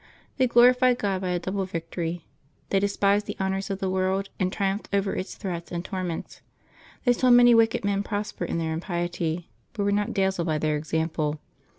They glorified God by a double victory; they despised the honors of the world, and triumphed over its threats and torments. They saw many wicked men prosper in their impiety, but were not dazzled by their example.